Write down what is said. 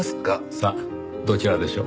さあどちらでしょう？